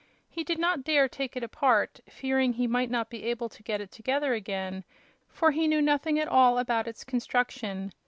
He did not dare take it apart, fearing he might not be able to get it together again, for he knew nothing at all about its construction.